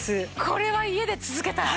これは家で続けたい。